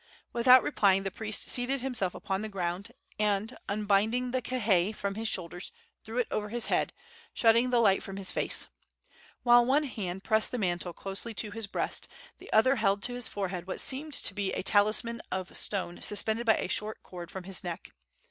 Without replying the priest seated himself upon the ground, and, unbinding the kihei from his shoulders, threw it over his head, shutting the light from his face. While one hand pressed the mantle closely to his breast, the other held to his forehead what seemed to be a talisman of stone suspended by a short cord from his neck.